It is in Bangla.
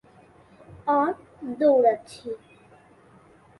আর দৌড়াচ্ছি।